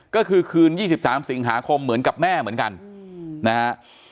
ก็คือคืน๒๓สิงหาคมเหมือนกับแม่เหมือนกันนะฮะ